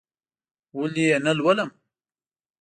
ولې یې نه لولم؟!